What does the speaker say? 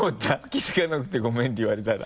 「気づかなくてごめん」って言われたら。